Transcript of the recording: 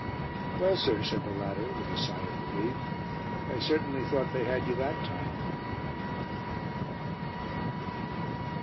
"Well, sir," said the latter, with a sigh of relief, "I certainly thought they had you that time."